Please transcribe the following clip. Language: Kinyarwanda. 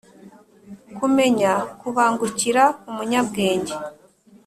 kumenya kubangukira umunyabwenge